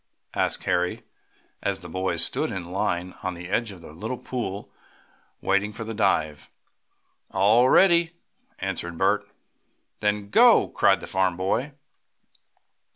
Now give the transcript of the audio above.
asked Harry, as the boys stood in line on the edge of the little pool, waiting for the dive. "All ready!" answered Bert. "Then go!" cried the farm boy.